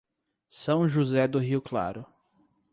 São José do Rio Claro